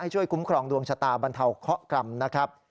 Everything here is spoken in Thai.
ช่วยคุ้มครองดวงชะตาบรรเทาเคาะกรรมนะครับ